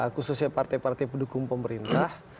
khususnya partai partai pendukung pemerintah